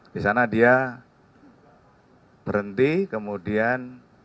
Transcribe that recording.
di sana dia berhenti kemudian ada dua orang